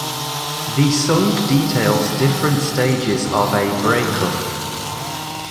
The song details different stages of a breakup.